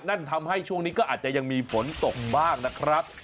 นั่นทำให้ช่วงนี้ก็อาจจะยังมีฝนตกบ้างนะครับ